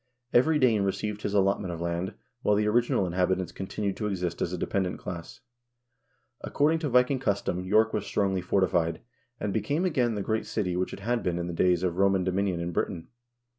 Every Dane received his allotment of land, while the original inhabitants continued to exist as a dependent class. According to Viking cus tom York was strongly fortified, and became again the great city which it had been in the days of Roman dominion in Britain.